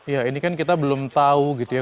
ya ini kan kita belum tahu gitu ya